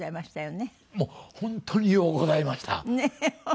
ねえ本当にようございました。